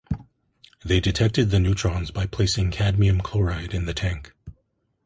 They detected the neutrons by placing cadmium chloride in the tank.